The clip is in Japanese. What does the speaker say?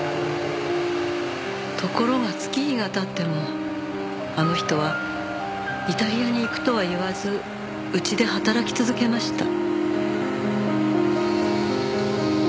ところが月日が経ってもあの人はイタリアに行くとは言わずうちで働き続けました。